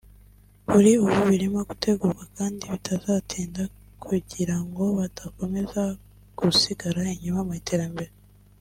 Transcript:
kuri ubu birimo gutegurwa kandi bitazatinda kugira ngo badakomeza gusigara inyuma mu iterambere